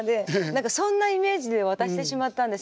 そんなイメージで渡してしまったんです。